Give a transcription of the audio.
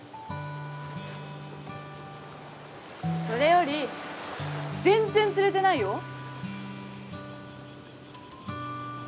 それより全然釣れてないよ